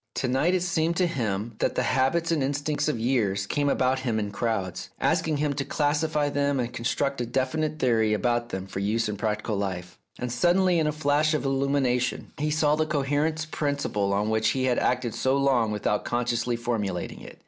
To night it seemed to him that the habits and instincts of years came about him in crowds, asking him to classify them and construct a definite theory about them for use in practical life, and suddenly, in a flash of illumination, he saw the cohering prin ciple on which he had acted so long without con sciously formulating it.